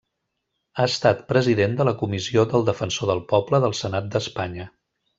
Ha estat president de la Comissió del Defensor del Poble del Senat d'Espanya.